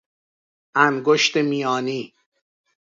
انگشت میانی